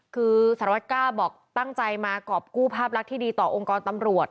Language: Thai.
คือสารวัตก้าบอกตั้งใจมากรอบกู้ภาพลักษณ์ที่ดีต่อองค์กรตำรวจ